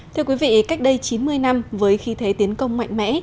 thưa quý vị cách đây chín mươi năm với khí thế tiến công mạnh mẽ